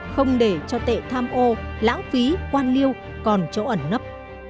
không để cho tệ tham ô lãng phí quan liêu còn chỗ ẩn nấp